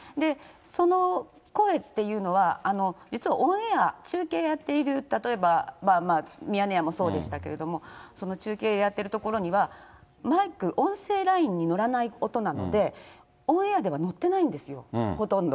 その声っていうのは、実はオンエア、中継やっている、例えばミヤネ屋もそうでしたけど、中継やっているところには、マイク、音声ラインに乗らない音なので、オンエアではのってないんですよ、ほとんど。